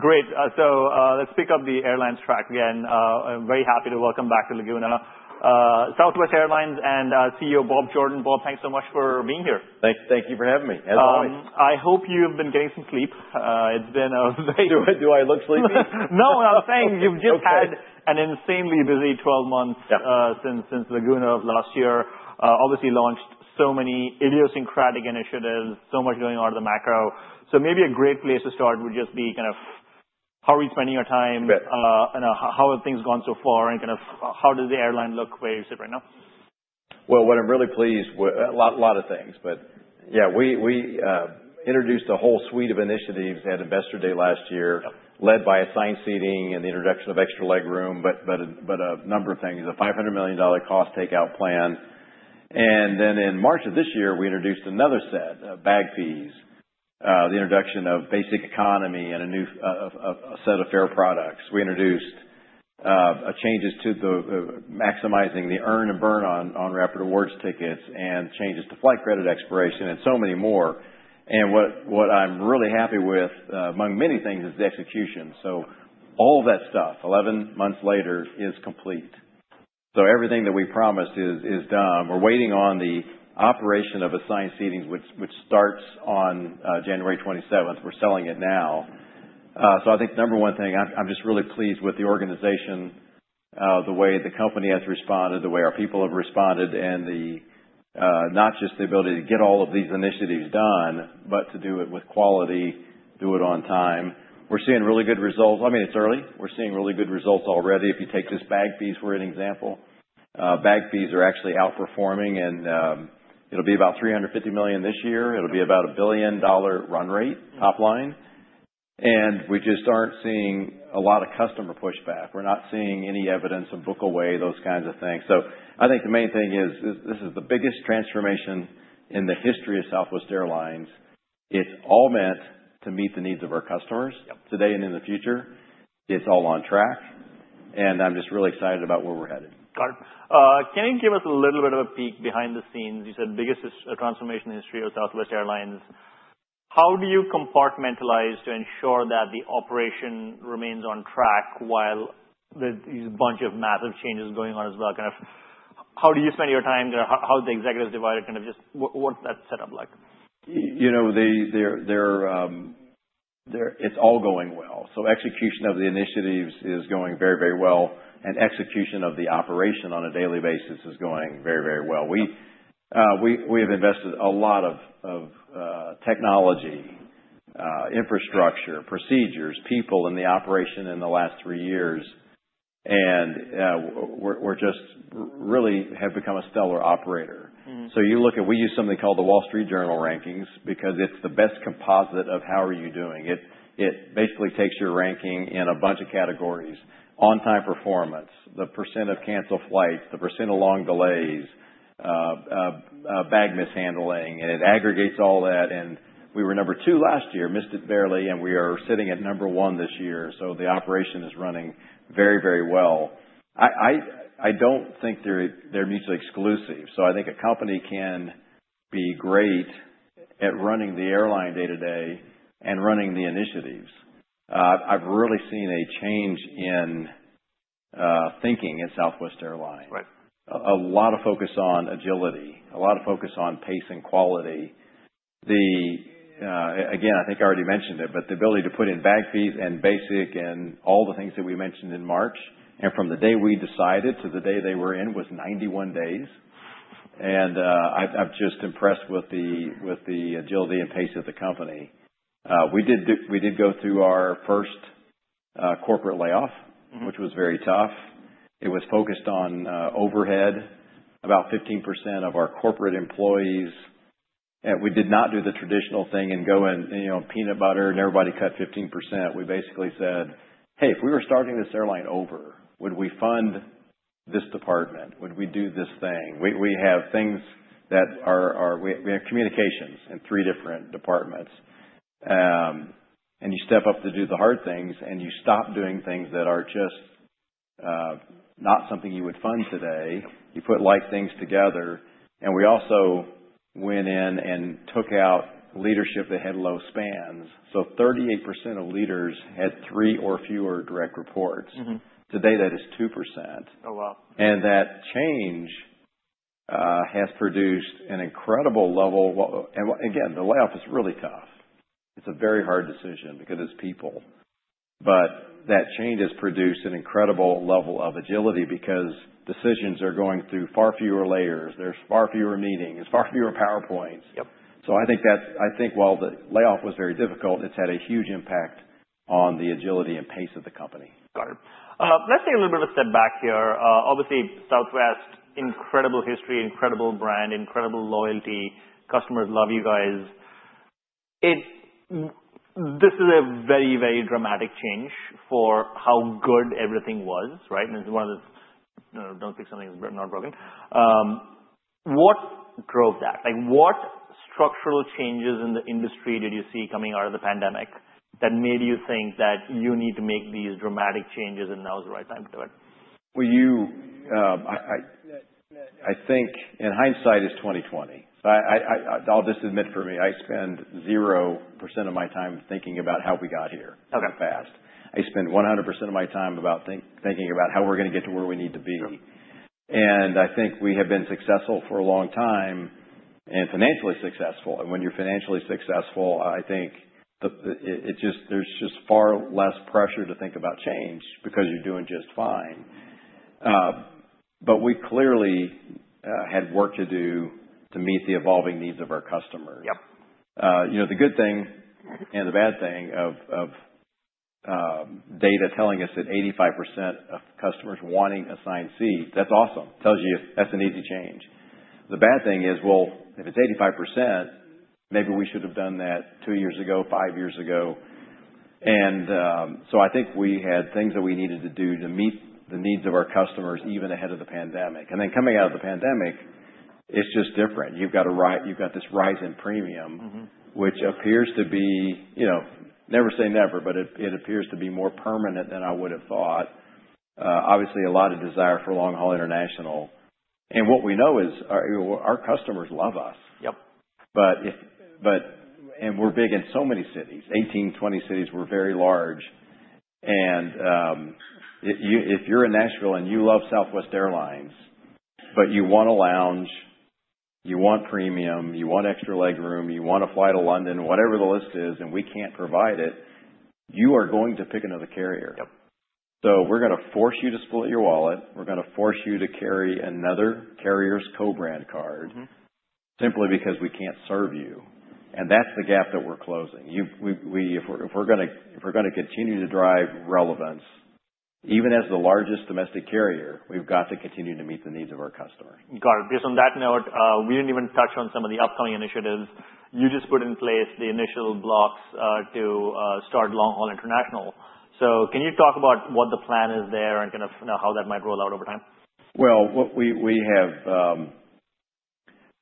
Great. So let's pick up the airline track again. I'm very happy to welcome back to Laguna, Southwest Airlines and CEO Bob Jordan. Bob, thanks so much for being here. Thank you for having me, as always. I hope you've been getting some sleep. It's been a very. Do I look sleepy? No, I'm saying you've just had an insanely busy 12 months since Laguna last year. Obviously, launched so many idiosyncratic initiatives, so much going on at the macro. So maybe a great place to start would just be kind of how are we spending our time, how have things gone so far, and kind of how does the airline look where you sit right now? What I'm really pleased with, a lot of things. Yeah, we introduced a whole suite of initiatives at Investor Day last year, led by assigned seating and the introduction of extra legroom, but a number of things, a $500 million cost takeout plan. Then in March of this year, we introduced another set, bag fees, the introduction of Basic Economy, and a set of fare products. We introduced changes to maximizing the earn and burn on Rapid Rewards tickets, and changes to flight credit expiration, and so many more. What I'm really happy with, among many things, is the execution. All that stuff, 11 months later, is complete. Everything that we promised is done. We're waiting on the operation of assigned seating, which starts on January 27. We're selling it now. So I think number one thing, I'm just really pleased with the organization, the way the company has responded, the way our people have responded, and not just the ability to get all of these initiatives done, but to do it with quality, do it on time. We're seeing really good results. I mean, it's early. We're seeing really good results already. If you take just bag fees for an example, bag fees are actually outperforming. And it'll be about $350 million this year. It'll be about $1 billion run rate, top line. And we just aren't seeing a lot of customer pushback. We're not seeing any evidence of book away, those kinds of things. So I think the main thing is this is the biggest transformation in the history of Southwest Airlines. It's all meant to meet the needs of our customers today and in the future. It's all on track, and I'm just really excited about where we're headed. Got it. Can you give us a little bit of a peek behind the scenes? You said biggest transformation in the history of Southwest Airlines. How do you compartmentalize to ensure that the operation remains on track while there's a bunch of massive changes going on as well? Kind of how do you spend your time? How are the executives divided? Kind of just what's that setup like? It's all going well. So execution of the initiatives is going very, very well. And execution of the operation on a daily basis is going very, very well. We have invested a lot of technology, infrastructure, procedures, people in the operation in the last three years. And we just really have become a stellar operator. So you look at we use something called The Wall Street Journal rankings because it's the best composite of how are you doing. It basically takes your ranking in a bunch of categories: on-time performance, the % of canceled flights, the % of long delays, bag mishandling. And it aggregates all that. And we were number two last year, missed it barely. And we are sitting at number one this year. So the operation is running very, very well. I don't think they're mutually exclusive. I think a company can be great at running the airline day to day and running the initiatives. I've really seen a change in thinking at Southwest Airlines. A lot of focus on agility, a lot of focus on pace and quality. Again, I think I already mentioned it, but the ability to put in bag fees and Basic and all the things that we mentioned in March. And from the day we decided to the day they were in was 91 days. And I'm just impressed with the agility and pace of the company. We did go through our first corporate layoff, which was very tough. It was focused on overhead, about 15% of our corporate employees. We did not do the traditional thing and go and peanut butter and everybody cut 15%. We basically said, "Hey, if we were starting this airline over, would we fund this department? Would we do this thing?" We have things we have communications in three different departments. You step up to do the hard things, and you stop doing things that are just not something you would fund today. You put like things together. We also went in and took out leadership that had low spans. So 38% of leaders had three or fewer direct reports. Today, that is 2%. That change has produced an incredible level. Again, the layoff is really tough. It's a very hard decision because it's people. But that change has produced an incredible level of agility because decisions are going through far fewer layers. There's far fewer meetings. There's far fewer PowerPoints. So I think while the layoff was very difficult, it's had a huge impact on the agility and pace of the company. Got it. Let's take a little bit of a step back here. Obviously, Southwest, incredible history, incredible brand, incredible loyalty. Customers love you guys. This is a very, very dramatic change for how good everything was, right? And it's one of the don't fix something that's not broken. What drove that? What structural changes in the industry did you see coming out of the pandemic that made you think that you need to make these dramatic changes, and now is the right time to do it? I think in hindsight, it's 2020. I'll just admit for me, I spend 0% of my time thinking about how we got here in the past. I spend 100% of my time thinking about how we're going to get to where we need to be, and I think we have been successful for a long time and financially successful, and when you're financially successful, I think there's just far less pressure to think about change because you're doing just fine, but we clearly had work to do to meet the evolving needs of our customers. The good thing and the bad thing of data telling us that 85% of customers wanting assigned seats, that's awesome. That's an easy change. The bad thing is, well, if it's 85%, maybe we should have done that two years ago, five years ago. And so I think we had things that we needed to do to meet the needs of our customers even ahead of the pandemic. And then coming out of the pandemic, it's just different. You've got this rise in premium, which appears to be never say never, but it appears to be more permanent than I would have thought. Obviously, a lot of desire for long-haul international. And what we know is our customers love us. And we're big in so many cities, 18, 20 cities. We're very large. And if you're in Nashville and you love Southwest Airlines, but you want a lounge, you want premium, you want extra legroom, you want a flight to London, whatever the list is, and we can't provide it, you are going to pick another carrier. So we're going to force you to split your wallet. We're going to force you to carry another carrier's co-brand card simply because we can't serve you. And that's the gap that we're closing. If we're going to continue to drive relevance, even as the largest domestic carrier, we've got to continue to meet the needs of our customers. Got it. Based on that note, we didn't even touch on some of the upcoming initiatives. You just put in place the initial blocks to start long-haul international. So can you talk about what the plan is there and kind of how that might roll out over time?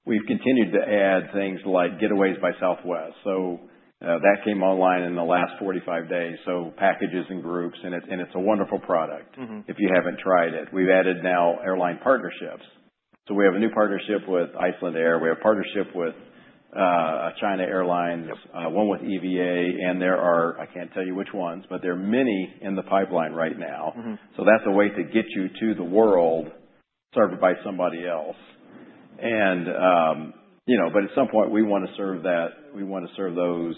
We've continued to add things like Southwest Vacations. That came online in the last 45 days: packages and groups. And it's a wonderful product if you haven't tried it. We've added now airline partnerships. We have a new partnership with Icelandair. We have a partnership with China Airlines, one with EVA. And there are, I can't tell you which ones, but there are many in the pipeline right now. That's a way to get you to the world served by somebody else. But at some point, we want to serve that. We want to serve those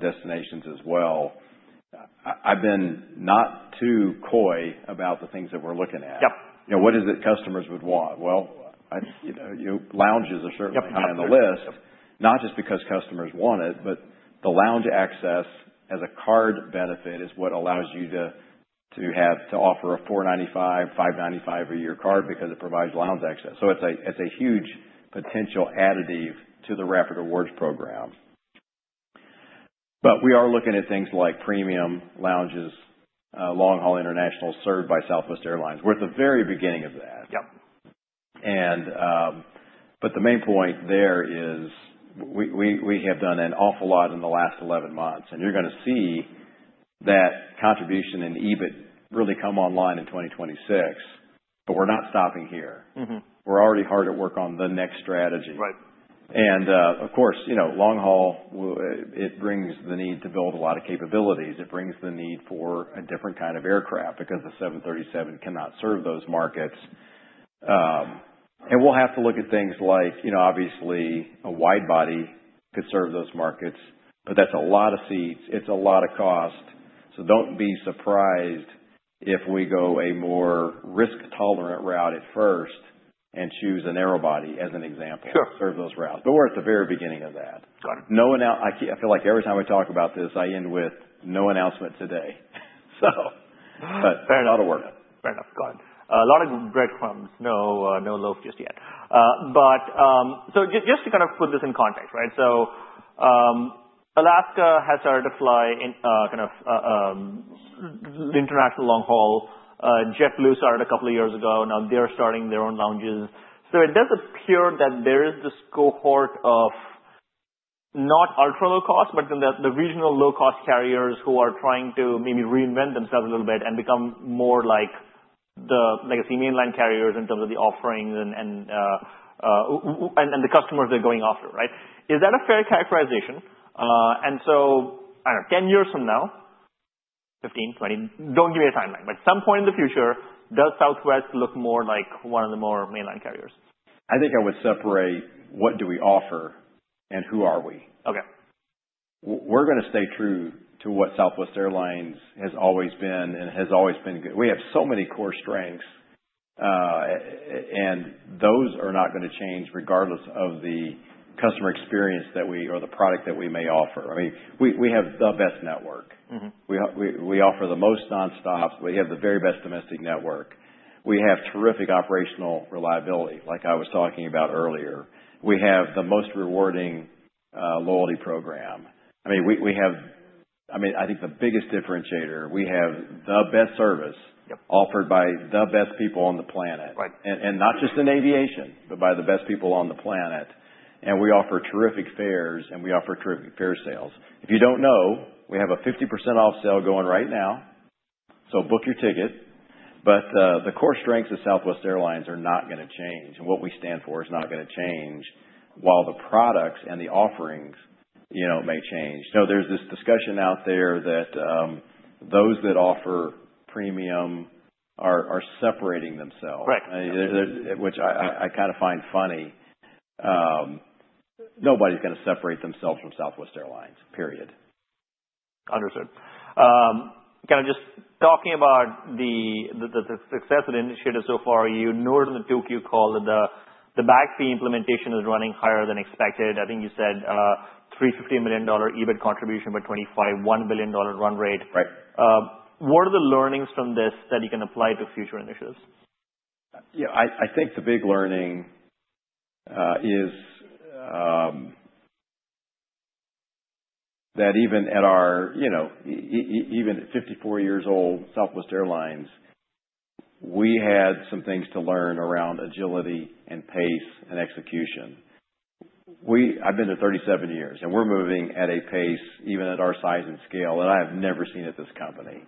destinations as well. I've been not too coy about the things that we're looking at. What is it customers would want? Well, lounges are certainly on the list, not just because customers want it, but the lounge access as a card benefit is what allows you to offer a $495, $595 a year card because it provides lounge access. So it's a huge potential additive to the Rapid Rewards program. But we are looking at things like premium lounges, long-haul international served by Southwest Airlines. We're at the very beginning of that. But the main point there is we have done an awful lot in the last 11 months. And you're going to see that contribution and EBIT really come online in 2026. But we're not stopping here. We're already hard at work on the next strategy. And of course, long-haul, it brings the need to build a lot of capabilities. It brings the need for a different kind of aircraft because the 737 cannot serve those markets. And we'll have to look at things like, obviously, a widebody could serve those markets. But that's a lot of seats. It's a lot of cost. So don't be surprised if we go a more risk-tolerant route at first and choose a narrowbody as an example to serve those routes. But we're at the very beginning of that. I feel like every time we talk about this, I end with no announcement today. So a lot of work. Fair enough. Fair enough. Got it. A lot of breadcrumbs. No loaf just yet. So just to kind of put this in context, right? So Alaska has started to fly kind of international long-haul. JetBlue started a couple of years ago. Now they're starting their own lounges. So it does appear that there is this cohort of not ultra low cost, but the regional low-cost carriers who are trying to maybe reinvent themselves a little bit and become more like the mainline carriers in terms of the offerings and the customers they're going after, right? Is that a fair characterization? And so 10 years from now, 15, 20, don't give me a timeline. But at some point in the future, does Southwest look more like one of the more mainline carriers? I think I would separate what do we offer and who are we. We're going to stay true to what Southwest Airlines has always been and has always been good. We have so many core strengths, and those are not going to change regardless of the customer experience or the product that we may offer. I mean, we have the best network. We offer the most nonstops. We have the very best domestic network. We have terrific operational reliability, like I was talking about earlier. We have the most rewarding loyalty program. I mean, I think the biggest differentiator, we have the best service offered by the best people on the planet, and not just in aviation, but by the best people on the planet. And we offer terrific fares and terrific fare sales. If you don't know, we have a 50% off sale going right now. So book your ticket. But the core strengths of Southwest Airlines are not going to change. And what we stand for is not going to change while the products and the offerings may change. Now, there's this discussion out there that those that offer premium are separating themselves, which I kind of find funny. Nobody's going to separate themselves from Southwest Airlines, period. Understood. Kind of just talking about the success of the initiative so far, you noted in 2Q call that the bag fee implementation is running higher than expected. I think you said $350 million EBIT contribution, but $251 billion run rate. What are the learnings from this that you can apply to future initiatives? Yeah. I think the big learning is that even at our 54 years old, Southwest Airlines, we had some things to learn around agility and pace and execution. I've been there 37 years. And we're moving at a pace, even at our size and scale, that I have never seen at this company.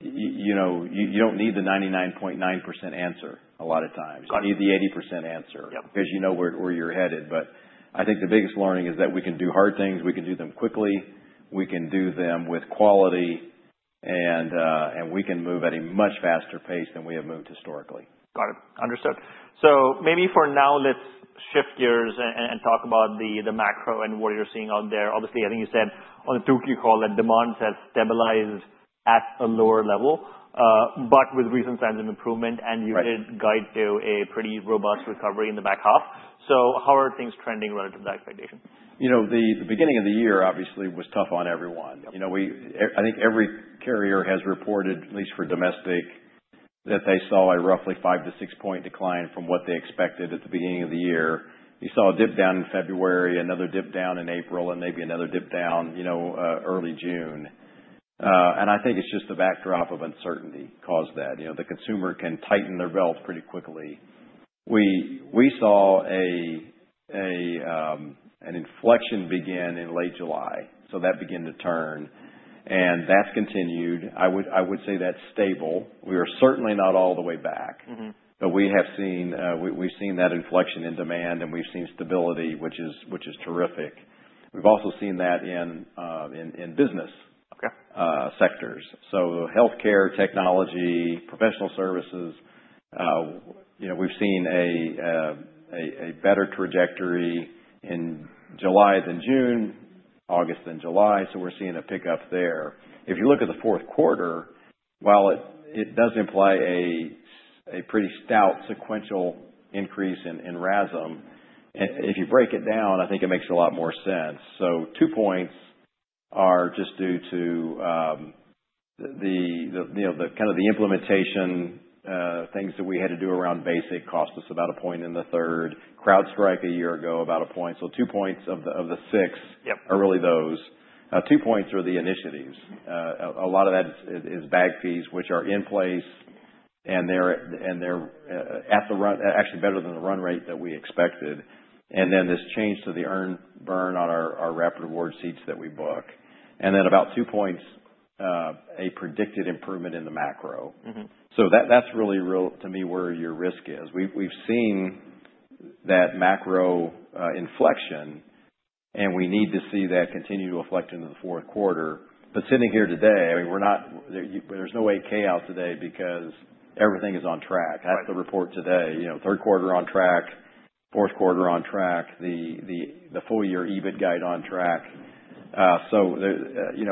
And you don't need the 99.9% answer a lot of times. You need the 80% answer because you know where you're headed. But I think the biggest learning is that we can do hard things. We can do them quickly. We can do them with quality. And we can move at a much faster pace than we have moved historically. Got it. Understood. So maybe for now, let's shift gears and talk about the macro and what you're seeing out there. Obviously, I think you said on the 2Q call that demand has stabilized at a lower level, but with recent signs of improvement. And you did guide to a pretty robust recovery in the back half. So how are things trending relative to that expectation? The beginning of the year, obviously, was tough on everyone. I think every carrier has reported, at least for domestic, that they saw a roughly 5-6 point decline from what they expected at the beginning of the year. You saw a dip down in February, another dip down in April, and maybe another dip down early June, and I think it's just the backdrop of uncertainty caused that. The consumer can tighten their belt pretty quickly. We saw an inflection begin in late July, so that began to turn, and that's continued. I would say that's stable. We are certainly not all the way back, but we have seen that inflection in demand, and we've seen stability, which is terrific. We've also seen that in business sectors, so healthcare, technology, professional services, we've seen a better trajectory in July than June, August than July. So we're seeing a pickup there. If you look at the fourth quarter, while it does imply a pretty stout sequential increase in RASM, if you break it down, I think it makes a lot more sense. So two points are just due to the kind of the implementation things that we had to do around Basic cost was about a point in the third. CrowdStrike a year ago, about a point. So two points of the six are really those. Two points are the initiatives. A lot of that is bag fees, which are in place. And they're actually better than the run rate that we expected. And then this change to the earn and burn on our Rapid Rewards seats that we book. And then about two points, a predicted improvement in the macro. So that's really, to me, where your risk is. We've seen that macro inflection, and we need to see that continue to reflect into the fourth quarter, but sitting here today, I mean, there's no 8-K out today because everything is on track. That's the report today. Third quarter on track. Fourth quarter on track. The full-year EBIT guide on track, so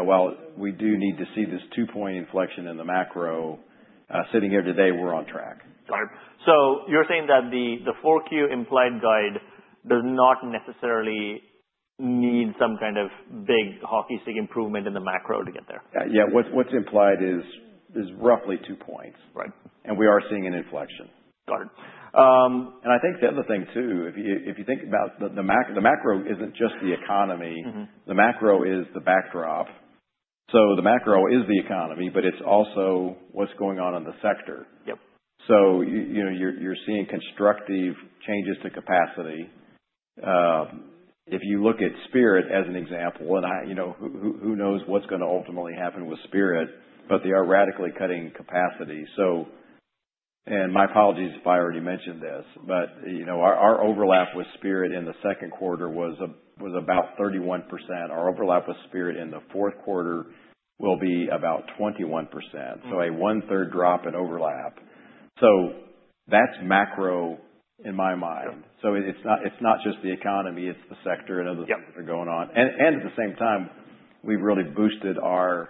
while we do need to see this two-point inflection in the macro, sitting here today, we're on track. Got it. So you're saying that the 4Q implied guide does not necessarily need some kind of big hockey stick improvement in the macro to get there. Yeah. What's implied is roughly two points, and we are seeing an inflection. Got it. And I think the other thing too, if you think about the macro, the macro isn't just the economy. The macro is the backdrop. So the macro is the economy, but it's also what's going on in the sector. So you're seeing constructive changes to capacity. If you look at Spirit as an example, and who knows what's going to ultimately happen with Spirit, but they are radically cutting capacity. And my apologies if I already mentioned this, but our overlap with Spirit in the second quarter was about 31%. Our overlap with Spirit in the fourth quarter will be about 21%. So a one-third drop in overlap. So that's macro in my mind. So it's not just the economy. It's the sector and other things that are going on. And at the same time, we've really boosted our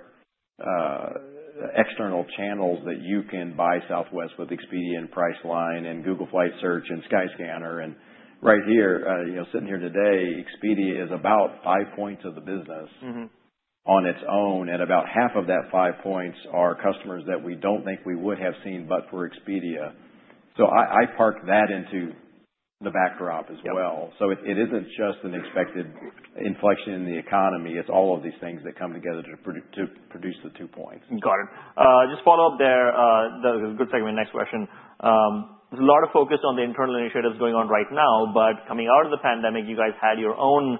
external channels that you can buy Southwest with Expedia and Priceline and Google Flights and Skyscanner. And right here, sitting here today, Expedia is about five points of the business on its own. And about half of that five points are customers that we don't think we would have seen but for Expedia. So I park that into the backdrop as well. So it isn't just an expected inflection in the economy. It's all of these things that come together to produce the two points. Got it. Just follow up there. That was a good segment. Next question. There's a lot of focus on the internal initiatives going on right now. But coming out of the pandemic, you guys had your own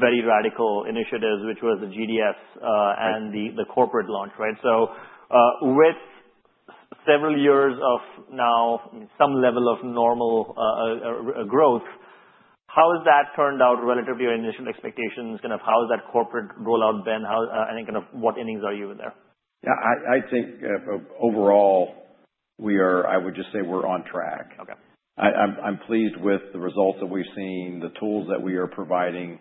very radical initiatives, which was the GDS and the corporate launch, right? So with several years of now some level of normal growth, how has that turned out relative to your initial expectations? Kind of how has that corporate rollout been? I think kind of what innings are you in there? Yeah. I think overall, I would just say we're on track. I'm pleased with the results that we've seen, the tools that we are providing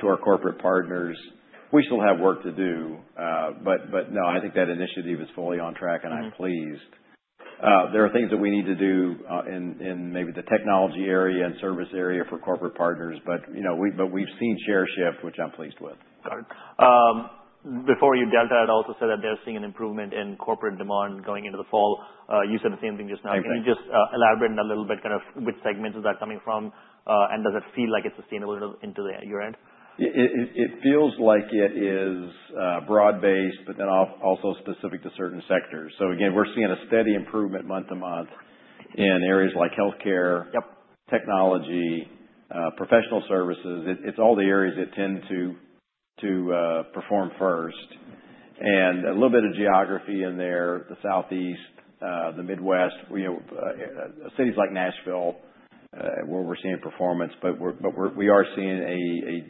to our corporate partners. We still have work to do. But no, I think that initiative is fully on track, and I'm pleased. There are things that we need to do in maybe the technology area and service area for corporate partners, but we've seen share shift, which I'm pleased with. Got it. Before you delve into that, I'd also say that they're seeing an improvement in corporate demand going into the fall. You said the same thing just now. Can you just elaborate a little bit kind of which segments is that coming from? And does it feel like it's sustainable into year-end? It feels like it is broad-based, but then also specific to certain sectors. So again, we're seeing a steady improvement month to month in areas like healthcare, technology, professional services. It's all the areas that tend to perform first. And a little bit of geography in there, the Southeast, the Midwest, cities like Nashville, where we're seeing performance. But we are seeing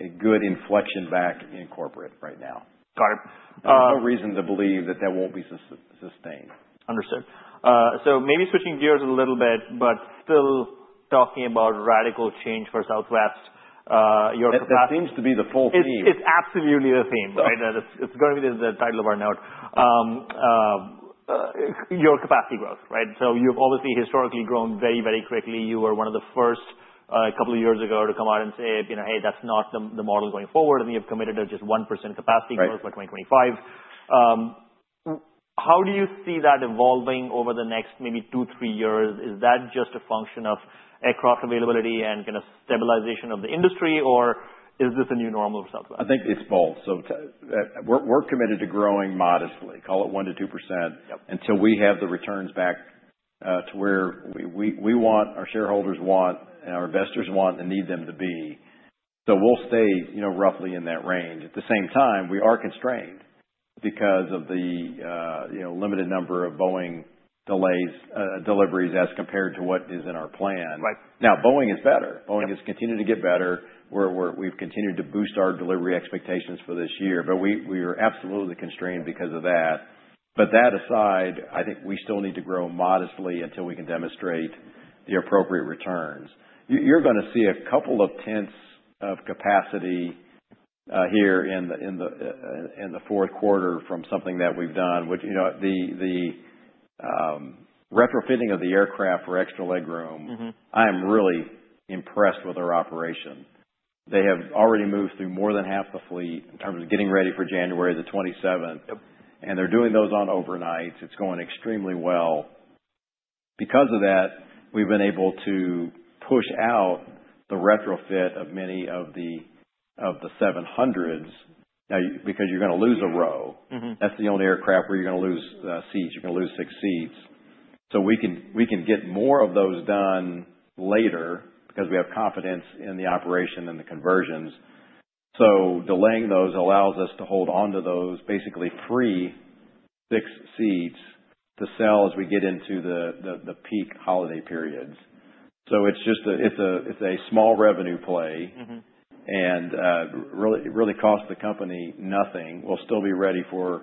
a good inflection back in corporate right now. Got it. There's no reason to believe that that won't be sustained. Understood. So maybe switching gears a little bit, but still talking about radical change for Southwest. It seems to be the full theme. It's absolutely the theme, right? It's going to be the title of our note. Your capacity growth, right? So you've obviously historically grown very, very quickly. You were one of the first a couple of years ago to come out and say, "Hey, that's not the model going forward." And you've committed to just 1% capacity growth by 2025. How do you see that evolving over the next maybe two, three years? Is that just a function of aircraft availability and kind of stabilization of the industry? Or is this a new normal for Southwest? I think it's both. We're committed to growing modestly, call it 1%-2%, until we have the returns back to where we want, our shareholders want, and our investors want and need them to be. We'll stay roughly in that range. At the same time, we are constrained because of the limited number of Boeing deliveries as compared to what is in our plan. Now, Boeing is better. Boeing has continued to get better. We've continued to boost our delivery expectations for this year. But we are absolutely constrained because of that. But that aside, I think we still need to grow modestly until we can demonstrate the appropriate returns. You're going to see a couple of tenths of capacity here in the fourth quarter from something that we've done, which the retrofitting of the aircraft for extra legroom. I am really impressed with our operation. They have already moved through more than half the fleet in terms of getting ready for January the 27th, and they're doing those on overnights. It's going extremely well. Because of that, we've been able to push out the retrofit of many of the 700s because you're going to lose a row. That's the only aircraft where you're going to lose seats. You're going to lose six seats, so we can get more of those done later because we have confidence in the operation and the conversions, so delaying those allows us to hold on to those basically free six seats to sell as we get into the peak holiday periods, so it's a small revenue play and really cost the company nothing. We'll still be ready for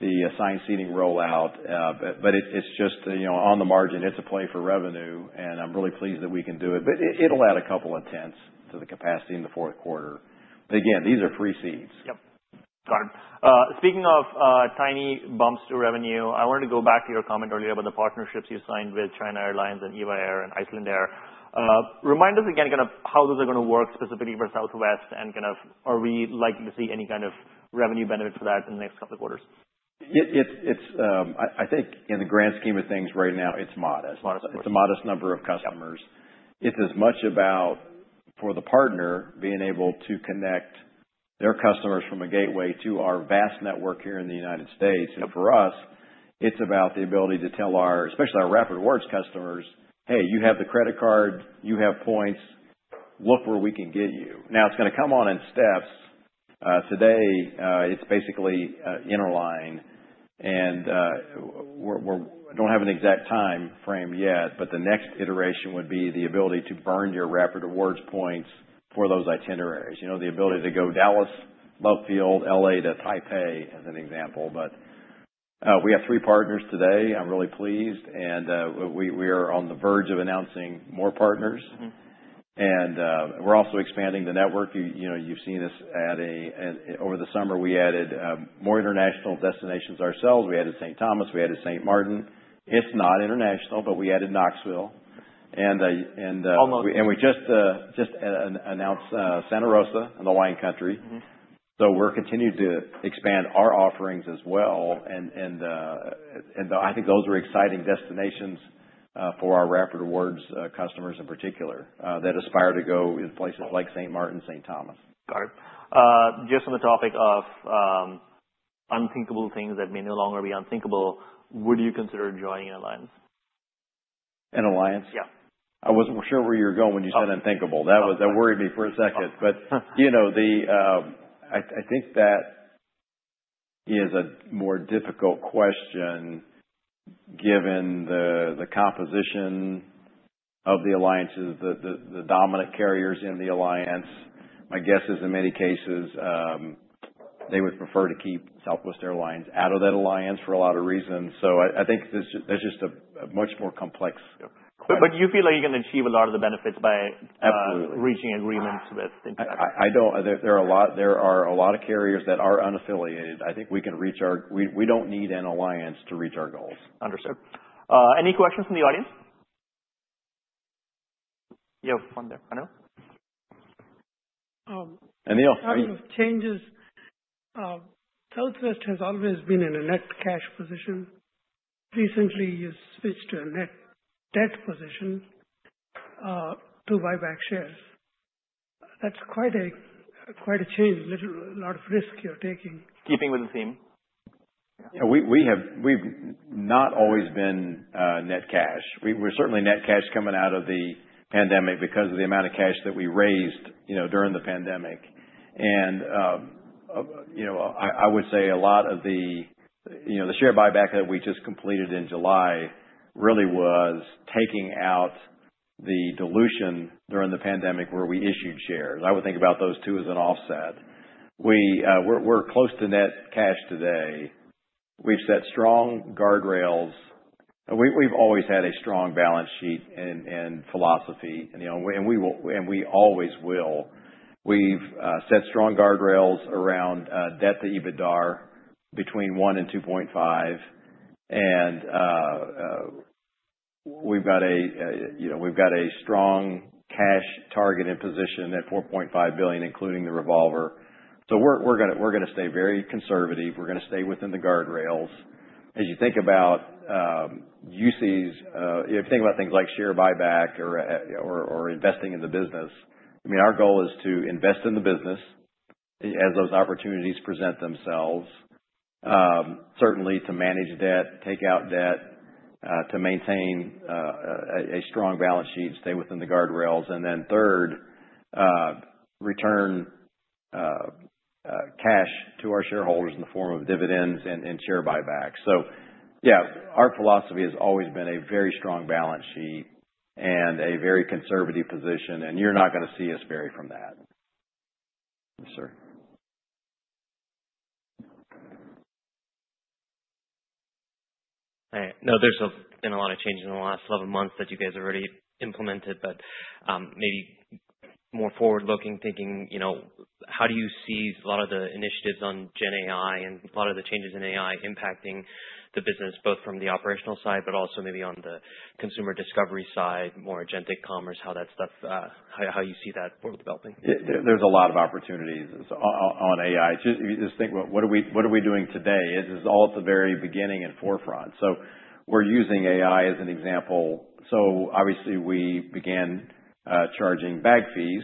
the assigned seating rollout, but it's just on the margin. It's a play for revenue. And I'm really pleased that we can do it. But it'll add a couple of tenths to the capacity in the fourth quarter. But again, these are free seats. Yep. Got it. Speaking of tiny bumps to revenue, I wanted to go back to your comment earlier about the partnerships you signed with China Airlines and EVA Air and Icelandair. Remind us again kind of how those are going to work specifically for Southwest, and kind of are we likely to see any kind of revenue benefit for that in the next couple of quarters? I think in the grand scheme of things right now, it's modest. It's a modest number of customers. It's as much about for the partner being able to connect their customers from a gateway to our vast network here in the United States. And for us, it's about the ability to tell our, especially our Rapid Rewards customers, "Hey, you have the credit card. You have points. Look where we can get you." Now, it's going to come on in steps. Today, it's basically interline. And we don't have an exact time frame yet. But the next iteration would be the ability to burn your Rapid Rewards points for those itineraries. The ability to go Dallas Love Field, LA to Taipei as an example. But we have three partners today. I'm really pleased. And we are on the verge of announcing more partners. And we're also expanding the network. You've seen us add, over the summer, we added more international destinations ourselves. We added St. Thomas. We added St. Maarten. It's not international, but we added Knoxville. And we just announced Santa Rosa in the wine country. So we're continuing to expand our offerings as well. And I think those are exciting destinations for our Rapid Rewards customers in particular that aspire to go in places like St. Maarten and St. Thomas. Got it. Just on the topic of unthinkable things that may no longer be unthinkable, would you consider joining alliance? An Alliance? Yeah. I wasn't sure where you were going when you said unthinkable. That worried me for a second. But I think that is a more difficult question given the composition of the alliances, the dominant carriers in the alliance. My guess is in many cases, they would prefer to keep Southwest Airlines out of that alliance for a lot of reasons. So I think that's just a much more complex. But you feel like you can achieve a lot of the benefits by reaching agreements with things like that? Absolutely. There are a lot of carriers that are unaffiliated. I think we can reach our goals. We don't need an alliance to reach our goals. Understood. Any questions from the audience? You have one there. Anil? Anil. One of the changes, Southwest has always been in a net cash position. Recently, you switched to a net debt position to buy back shares. That's quite a change. A lot of risk you're taking. Keeping with the theme. We've not always been net cash. We're certainly net cash coming out of the pandemic because of the amount of cash that we raised during the pandemic, and I would say a lot of the share buyback that we just completed in July really was taking out the dilution during the pandemic where we issued shares. I would think about those two as an offset. We're close to net cash today. We've set strong guardrails. We've always had a strong balance sheet and philosophy, and we always will. We've set strong guardrails around debt to EBITDA between 1 and 2.5, and we've got a strong cash target in position at $4.5 billion, including the revolver, so we're going to stay very conservative. We're going to stay within the guardrails. As you think about uses of cash, if you think about things like share buyback or investing in the business, I mean, our goal is to invest in the business as those opportunities present themselves. Certainly, to manage debt, take out debt, to maintain a strong balance sheet, stay within the guardrails. And then third, return cash to our shareholders in the form of dividends and share buyback. So yeah, our philosophy has always been a very strong balance sheet and a very conservative position. And you're not going to see us vary from that. Understood. All right. No, there's been a lot of changes in the last 11 months that you guys have already implemented. But maybe more forward-looking thinking, how do you see a lot of the initiatives on GenAI and a lot of the changes in AI impacting the business, both from the operational side, but also maybe on the consumer discovery side, more agentic commerce, how that stuff, how you see that world developing? There's a lot of opportunities on AI. Just think, what are we doing today? This is all at the very beginning and forefront. So we're using AI as an example. So obviously, we began charging bag fees.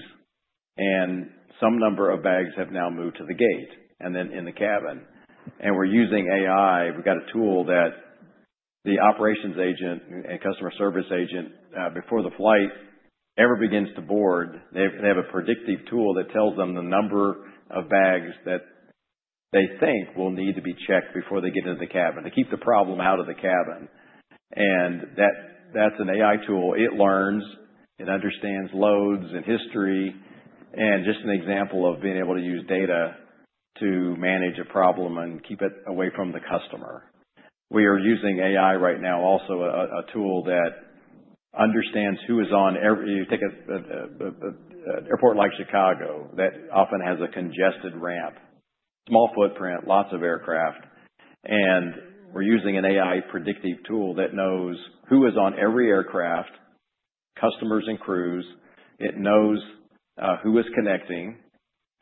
And some number of bags have now moved to the gate and then in the cabin. And we're using AI. We've got a tool that the operations agent and customer service agent, before the flight ever begins to board, they have a predictive tool that tells them the number of bags that they think will need to be checked before they get into the cabin to keep the problem out of the cabin. And that's an AI tool. It learns. It understands loads and history. And just an example of being able to use data to manage a problem and keep it away from the customer. We are using AI right now, also a tool that understands who is at every airport like Chicago that often has a congested ramp, small footprint, lots of aircraft. And we're using an AI predictive tool that knows who is on every aircraft, customers and crews. It knows who is connecting,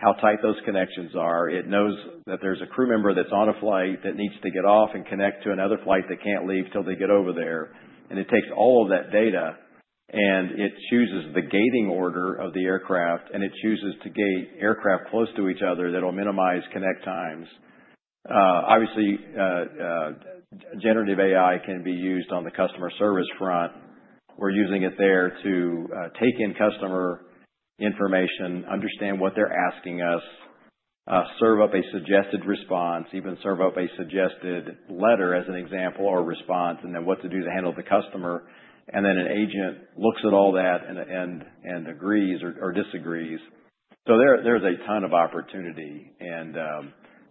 how tight those connections are. It knows that there's a crew member that's on a flight that needs to get off and connect to another flight that can't leave till they get over there. And it takes all of that data. And it chooses the gating order of the aircraft. And it chooses to gate aircraft close to each other that will minimize connect times. Obviously, generative AI can be used on the customer service front. We're using it there to take in customer information, understand what they're asking us, serve up a suggested response, even serve up a suggested letter as an example or response, and then what to do to handle the customer. And then an agent looks at all that and agrees or disagrees. So there's a ton of opportunity. And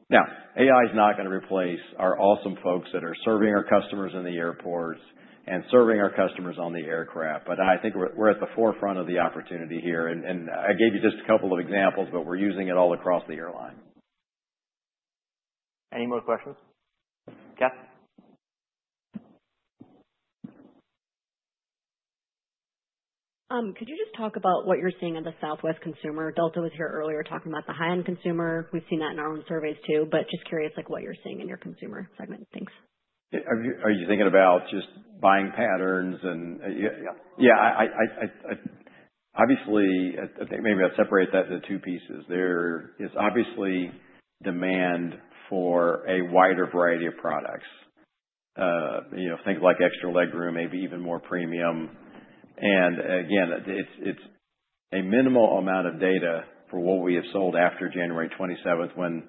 now, AI is not going to replace our awesome folks that are serving our customers in the airports and serving our customers on the aircraft. But I think we're at the forefront of the opportunity here. And I gave you just a couple of examples, but we're using it all across the airline. Any more questions? Cath? Could you just talk about what you're seeing in the Southwest consumer? Delta was here earlier talking about the high-end consumer. We've seen that in our own surveys too. But just curious what you're seeing in your consumer segment. Thanks. Are you thinking about just buying patterns? And yeah, obviously, maybe I'd separate that into two pieces. There is obviously demand for a wider variety of products, things like extra legroom, maybe even more premium. And again, it's a minimal amount of data for what we have sold after January 27th when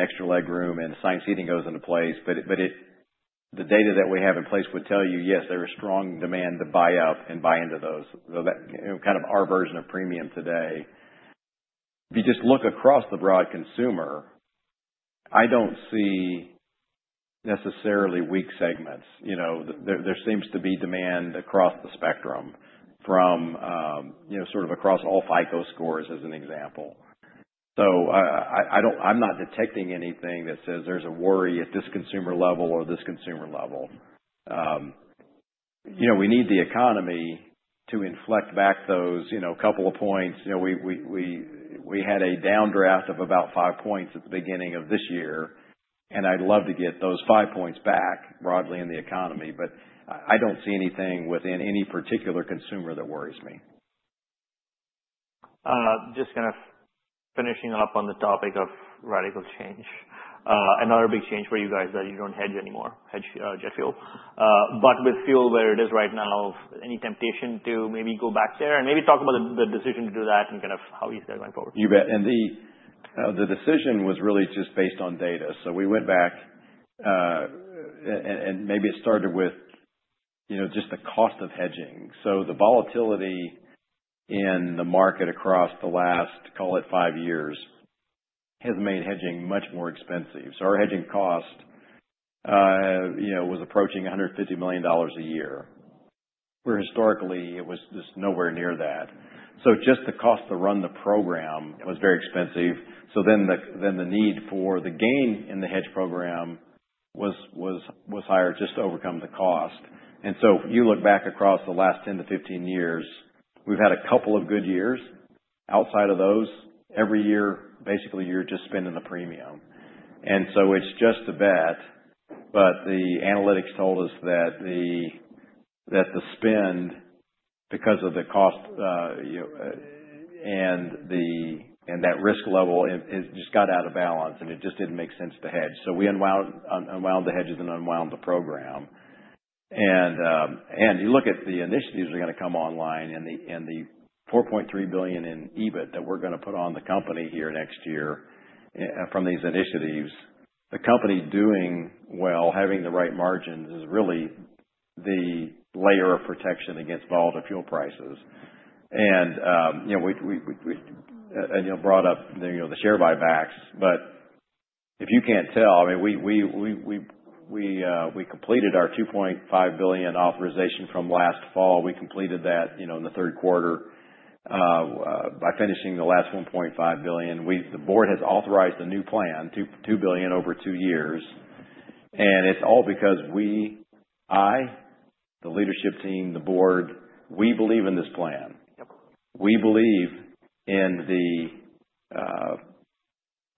extra legroom and assigned seating goes into place. But the data that we have in place would tell you, yes, there is strong demand to buy up and buy into those. So kind of our version of premium today. If you just look across the broad consumer, I don't see necessarily weak segments. There seems to be demand across the spectrum from sort of across all FICO scores, as an example. So I'm not detecting anything that says there's a worry at this consumer level or this consumer level. We need the economy to inflect back those couple of points. We had a downdraft of about five points at the beginning of this year. And I'd love to get those five points back broadly in the economy. But I don't see anything within any particular consumer that worries me. Just kind of finishing up on the topic of radical change. Another big change for you guys that you don't hedge anymore, hedge jet fuel. But with fuel where it is right now, any temptation to maybe go back there? And maybe talk about the decision to do that and kind of how you see that going forward. You bet. And the decision was really just based on data. So we went back. And maybe it started with just the cost of hedging. So the volatility in the market across the last, call it, five years has made hedging much more expensive. So our hedging cost was approaching $150 million a year, where historically it was just nowhere near that. So just the cost to run the program was very expensive. So then the need for the gain in the hedge program was higher just to overcome the cost. And so you look back across the last 10-15 years, we've had a couple of good years. Outside of those, every year, basically, you're just spending the premium. And so it's just a bet. But the analytics told us that the spend, because of the cost and that risk level, just got out of balance. It just didn't make sense to hedge. So we unwound the hedges and unwound the program. You look at the initiatives that are going to come online and the $4.3 billion in EBIT that we're going to put on the company here next year from these initiatives. The company doing well, having the right margins is really the layer of protection against volatile fuel prices. Anil brought up the share buybacks. If you can't tell, I mean, we completed our $2.5 billion authorization from last fall. We completed that in the third quarter by finishing the last $1.5 billion. The board has authorized a new plan, $2 billion over two years. It's all because we, I, the leadership team, the board, we believe in this plan. We believe in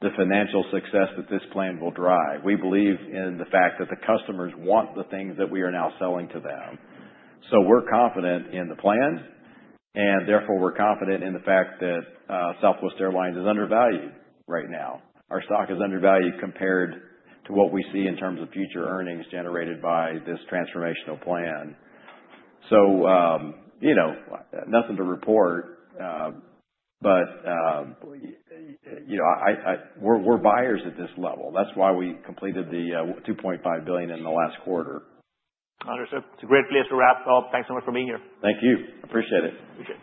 the financial success that this plan will drive. We believe in the fact that the customers want the things that we are now selling to them. So we're confident in the plan. And therefore, we're confident in the fact that Southwest Airlines is undervalued right now. Our stock is undervalued compared to what we see in terms of future earnings generated by this transformational plan. So nothing to report. But we're buyers at this level. That's why we completed the $2.5 billion in the last quarter. Understood. It's a great place to wrap up. Thanks so much for being here. Thank you. Appreciate it. Appreciate it.